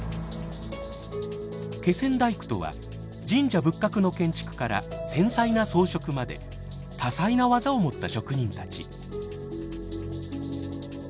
気仙大工とは神社仏閣の建築から繊細な装飾まで多彩な技を持った職人たち。